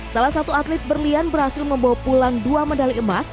salah satu atlet berlian berhasil membawa pulang dua medali emas